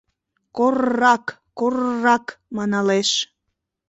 «Кор-рак, кор-рак! — маналеш.